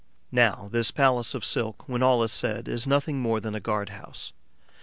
Now this palace of silk, when all is said, is nothing more than a guard house.